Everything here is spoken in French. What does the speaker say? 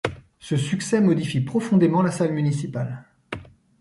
Ce succès modifie profondément la salle municipale.